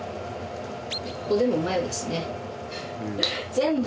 ここでもマヨですね。